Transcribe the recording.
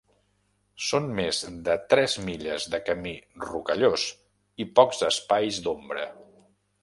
Són més de tres milles de camí rocallós i pocs espais d'ombra.